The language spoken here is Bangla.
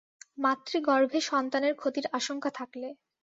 মাতৃগর্ভে সন্তানের ক্ষতির আশঙ্কা থাকলে।